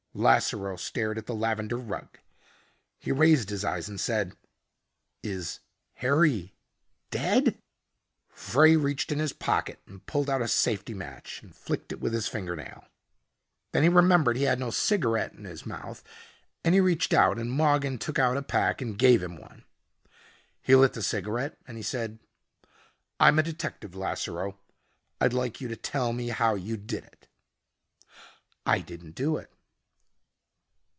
Lasseroe stared at the lavender rug. He raised his eyes and said, "Is Harry dead?" Frey reached in his pocket and pulled out a safety match and flicked it with his fingernail. Then he remembered he had no cigarette in his mouth and he reached out and Mogin took out a pack and gave him one. He lit the cigarette and he said, "I'm a detective, Lasseroe. I'd like you to tell me how you did it." "I didn't do it."